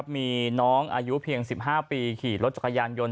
มีน้องอายุเพียง๑๕ปีขี่รถจักรยานยนต